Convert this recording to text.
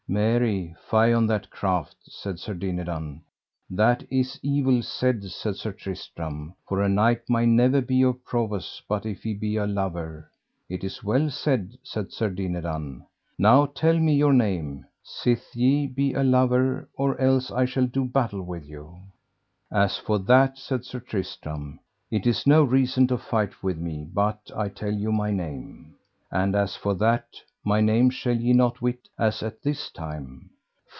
Mary, fie on that craft! said Sir Dinadan. That is evil said, said Sir Tristram, for a knight may never be of prowess but if he be a lover. It is well said, said Sir Dinadan; now tell me your name, sith ye be a lover, or else I shall do battle with you. As for that, said Sir Tristram, it is no reason to fight with me but I tell you my name; and as for that my name shall ye not wit as at this time.